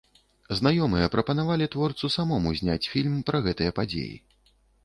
Знаёмыя прапанавалі творцу самому зняць фільм пра гэтыя падзеі.